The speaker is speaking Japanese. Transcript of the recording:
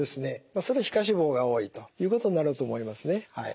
それ皮下脂肪が多いということになると思いますね。